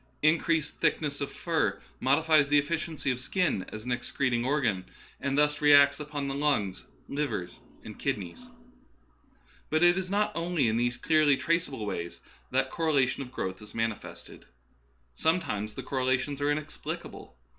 Increased thick ness of fur modifies the efficiency of the skin as an excreting organ, and thus reacts upon the lungs, liver, and kidneys. But it is not only in these clearly traceable ways that correlation of growth is manifested. Sometimes the correla tions are inexplicable.